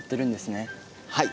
はい。